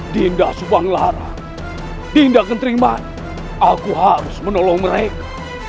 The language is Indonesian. dinda subang lara dinda kenteriman aku harus menolong mereka